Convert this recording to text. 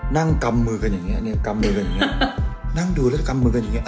กำมือกันอย่างเงี้เนี่ยกำมือกันอย่างเงี้ยนั่งดูแล้วก็กำมือกันอย่างเงี